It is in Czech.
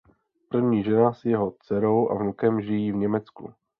První žena s jeho dcerou a vnukem žijí v Německu.